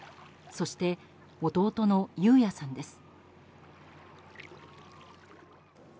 そして、弟の有哉さんです。